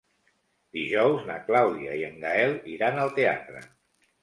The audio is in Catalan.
Dijous na Clàudia i en Gaël iran al teatre.